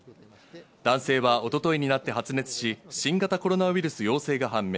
男性は一昨日になって発熱し、新型コロナウイルス陽性が判明。